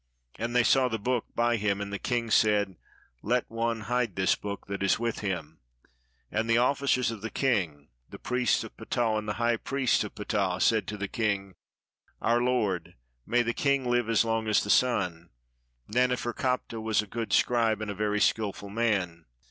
And they saw the book by him; and the king said, "Let one hide this book that is with him." And the oflScers of the king, the priests of Ptah, and the high priest of Ptah, said to the king, "Our Lord, may the king live as long as the sim ! Naneferkaptah was a good scribe and a very skillful man."